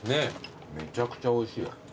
めちゃくちゃおいしいわ。